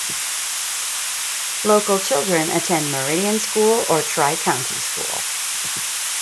Local children attend Meridian School or Tri County School.